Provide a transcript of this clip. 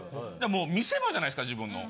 もう見せ場じゃないですか自分の。